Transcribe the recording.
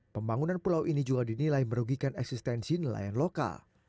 pembangunan pulau ini juga dinilai merugikan eksistensi nelayan lokal